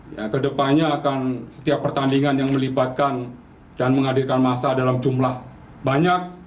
ya ke depannya akan setiap pertandingan yang melibatkan dan menghadirkan massa dalam jumlah banyak